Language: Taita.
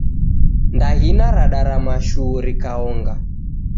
Ndaghina radarama shuu rikaonga